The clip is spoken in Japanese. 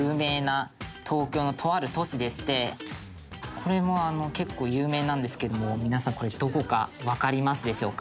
「これも結構有名なんですけども皆さんこれどこかわかりますでしょうか？」